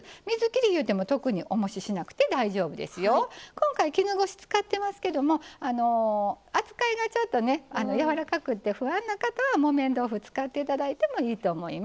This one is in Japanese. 今回絹ごし使ってますけども扱いがちょっとね柔らかくて不安な方は木綿豆腐使って頂いてもいいと思います。